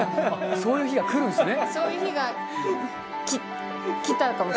そういう日がくるんですね！